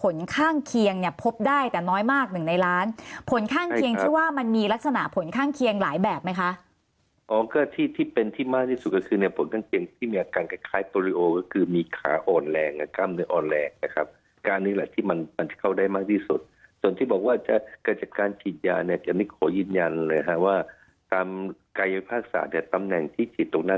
ผลข้างเคียงที่ว่ามันมีลักษณะผลข้างเคียงหลายแบบไหมคะอ๋อก็ที่เป็นที่มากที่สุดก็คือเนี่ยผลข้างเคียงที่มีอาการกัดคล้ายโปรโลก็คือมีขาอ่อนแรงกล้ามเนื้ออ่อนแรงนะครับการนี้แหละที่มันเข้าได้มากที่สุดส่วนที่บอกว่าการฉีดยาเนี่ยจะไม่ขอยืนยันเลยค่ะว่าตามการยอดภาษาแต่ตำแหน่งที่ฉ